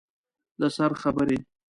د سر خبرې